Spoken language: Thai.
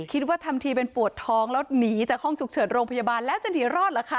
คิดว่าทำทีเป็นปวดท้องแล้วหนีจากห้องฉุกเฉินโรงพยาบาลแล้วจะหนีรอดเหรอคะ